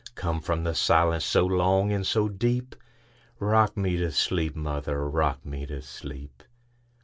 Come from the silence so long and so deep;—Rock me to sleep, mother,—rock me to sleep!